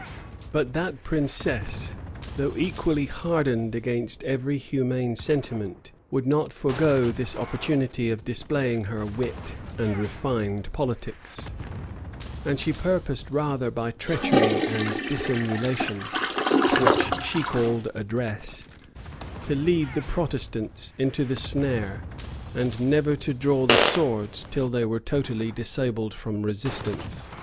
But that princess, though equally hardened against every humane sentiment, would not forego this opportunity of displaying her wit and refined politics; and she purposed rather by treachery and dissimulation, which she called address, to lead the Protestants into the snare, and never to draw the sword till they were totally disabled from resistance.